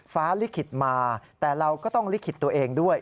ลิขิตมาแต่เราก็ต้องลิขิตตัวเองด้วย